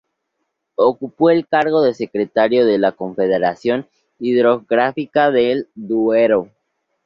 Ocupó el cargo de secretario de la Confederación Hidrográfica del Duero.